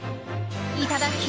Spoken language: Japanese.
いただき！